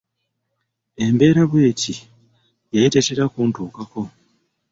Embeera bw'eti yali tetera kuntuukako.